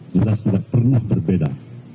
jelas tidak pernah berbeda